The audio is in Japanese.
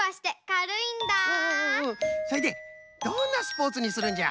そいでどんなスポーツにするんじゃ？